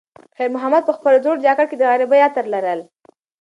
خیر محمد په خپل زوړ جاکټ کې د غریبۍ عطر لرل.